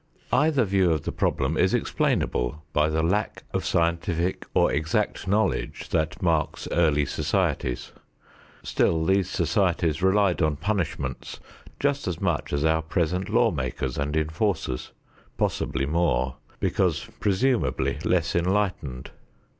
Either view of the problem is explainable by the lack of scientific or exact knowledge that marks early societies. Still these societies relied on punishments just as much as our present law makers and enforcers, possibly more, because presumably less enlightened.